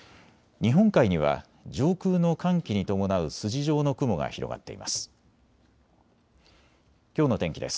日本海には上空の寒気に伴う筋状の雲が広がっています。